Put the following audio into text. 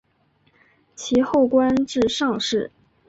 其后官至上士。